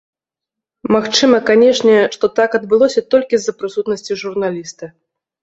Магчыма, канешне, што так адбылося толькі з-за прысутнасці журналіста.